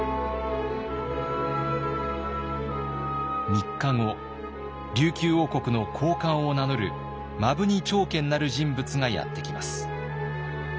３日後琉球王国の高官を名乗る摩文仁朝健なる人物がやって来ます。